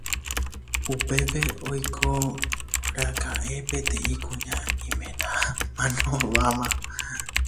Upépe oikóraka'e peteĩ kuña imenamanóvama